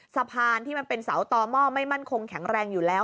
สะพานที่มันเป็นเสาต่อหม้อไม่มั่นคงแข็งแรงอยู่แล้ว